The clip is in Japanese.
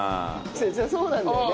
そうなんだよね。